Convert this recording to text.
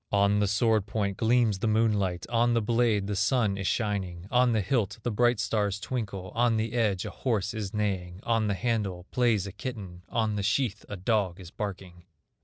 On the sword point gleams the moonlight, On the blade the sun is shining, On the hilt the bright stars twinkle, On the edge a horse is neighing, On the handle plays a kitten, On the sheath a dog is barking.